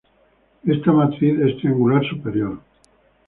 Esta matriz es triangular superior.